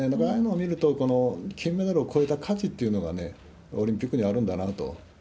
ああいうのを見ると、金メダルを越えた価値っていうのがオリンピックにはあるんだなと。